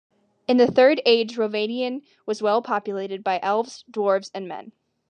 In the Third Age Rhovanion was well-populated by Elves, Dwarves, and Men.